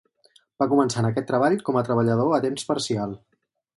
Va començar en aquest treball com a treballador a temps parcial.